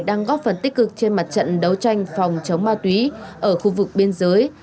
đang góp phần tích cực trên mặt trận đấu tranh phòng chống ma túy ở khu vực biên giới